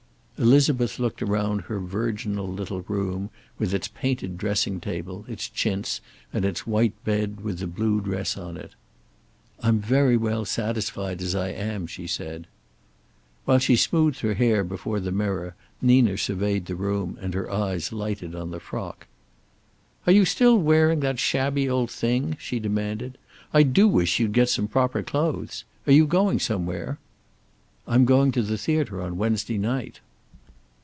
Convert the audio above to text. Elizabeth looked around her virginal little room, with its painted dressing table, its chintz, and its white bed with the blue dress on it. "I'm very well satisfied as I am," she said. While she smoothed her hair before the mirror Nina surveyed the room and her eyes lighted on the frock. "Are you still wearing that shabby old thing?" she demanded. "I do wish you'd get some proper clothes. Are you going somewhere?" "I'm going to the theater on Wednesday night."